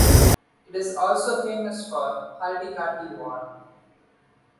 It is also famous for 'haldigati' war.